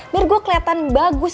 biar gue keliatan bagus